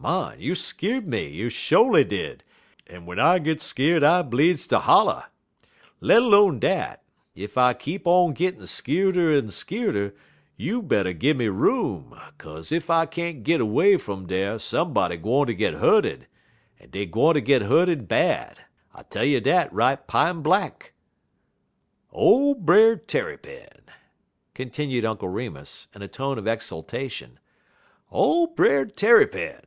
Mon, you skeer'd me; you sho'ly did; en w'en I git skeer'd I bleedz ter holler. Let 'lone dat, ef I keep on gittin' skeerder en skeerder, you better gimme room, 'kaze ef I can't git 'way fum dar somebody gwine ter git hurted, en deyer gwine ter git hurted bad. I tell you dat right pine blank. "Ole Brer Tarrypin!" continued Uncle Remus in a tone of exultation. "Ole Brer Tarrypin!